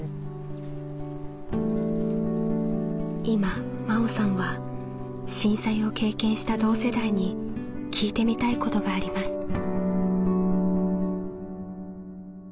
今真緒さんは震災を経験した同世代に聞いてみたいことがあります。